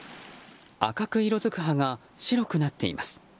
赤く色づく葉が白くなっています。